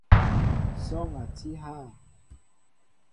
Sɔɔŋ a tí hà ?